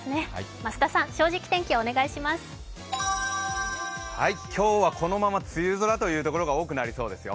増田さん、「正直天気」お願いします今日はこのまま梅雨空というところが多くなりそうですよ。